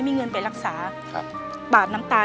เปลี่ยนเพลงเพลงเก่งของคุณและข้ามผิดได้๑คำ